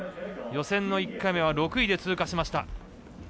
予選の１回目は６位で通過しました。